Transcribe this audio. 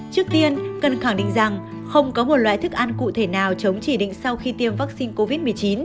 trước tiên cần khẳng định rằng không có một loại thức ăn cụ thể nào chống chỉ định sau khi tiêm vaccine covid một mươi chín